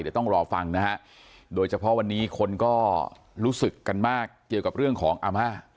เดี๋ยวต้องรอฟังนะฮะโดยเฉพาะวันนี้คนก็รู้สึกกันมากเกี่ยวกับเรื่องของอาม่า